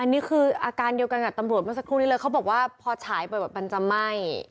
อันนี้คืออาการเดียวกันกับตำรวจเมื่อสักครู่นี้เลยเขาบอกว่าพอฉายไปแบบมันจะไหม้